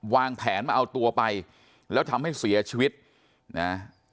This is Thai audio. วางแผนมาเอาตัวไปแล้วทำให้เสียชีวิตนะ